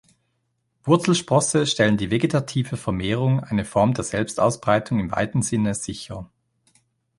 Wurzelsprosse stellen die vegetative Vermehrung, eine Form der Selbstausbreitung im weiten Sinne, sicher.